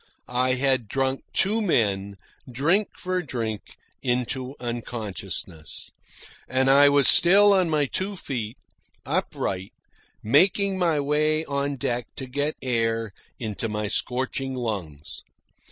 I had drunk two men, drink for drink, into unconsciousness. And I was still on my two feet, upright, making my way on deck to get air into my scorching lungs.